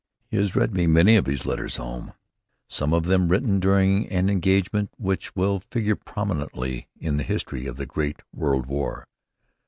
He has read me many of his letters home, some of them written during an engagement which will figure prominently in the history of the great World War.